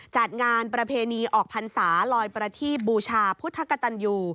จัดงานประเพณีออกพรรษาลอยประทีบบูชาพุทธกตันยู